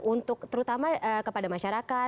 untuk terutama kepada masyarakat